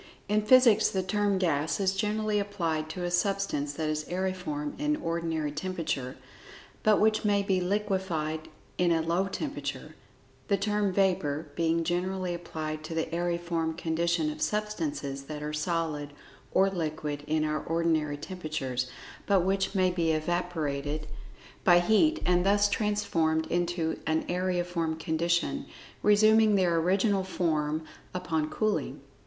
In physics the term "gas" is generally applied to a substance that is aeriform in our ordinary temperature, but which may be liquefied in a low temperature; the term "vapor" being generally applied to the aeriform condition of substances that are solid or liquid in our ordinary temperatures, but which may be "evaporated" by heat, and thus transformed into an aeriform condition, resuming their original form upon cooling.